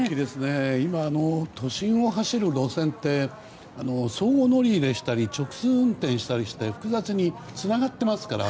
今、都心を走る路線って相互乗り入れしたり直通運転したりして複雑につながっていますから。